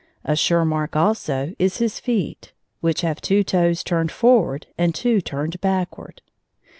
A sure mark, also, is his feet, which have two toes turned forward and two turned backward.